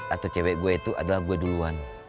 atau cewek gue itu adalah gue duluan